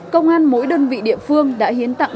công an mỗi đơn vị địa phương đã hiến tặng